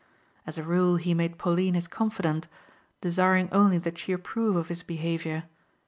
As a rule he made Pauline his confidante, desiring only that she approve of his behaviour.